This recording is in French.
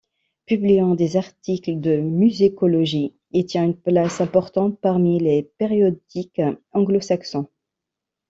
Publiant des articles de musicologie, il tient une place importante parmi les périodiques anglo-saxons.